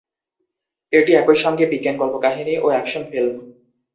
এটি একই সঙ্গে বিজ্ঞান কল্পকাহিনি ও অ্যাকশন ফিল্ম।